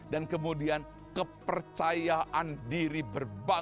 dan kemudian kepercayaan diri ini akan berjalan ke depan